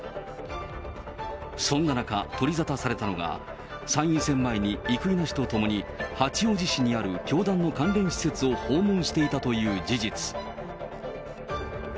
そんな中、取り沙汰されたのが、参院選前に生稲氏と共に八王子市にある教団の関連施設を訪問していたという事実。